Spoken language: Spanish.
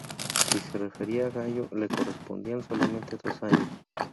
Si se refería a Gallo, le correspondían solamente dos años.